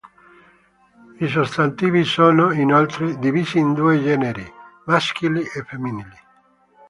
I sostantivi sono, inoltre, divisi in due generi: maschili e femminili.